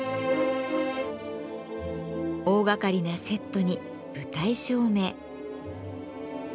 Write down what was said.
大がかりなセットに舞台照明。